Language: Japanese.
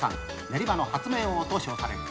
練馬の発明王と称される。